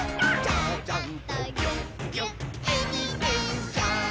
「ちゃちゃんとぎゅっぎゅっえびてんちゃん」